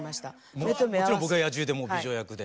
もちろん僕が野獣でもう美女役で。